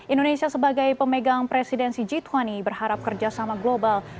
indonesia sebagai pemegang presidensi g dua puluh berharap kerjasama global